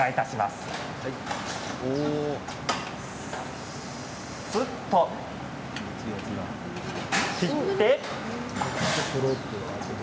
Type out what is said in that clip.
すっと切って。